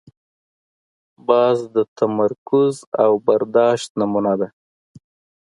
باز د تمرکز او برداشت نمونه ده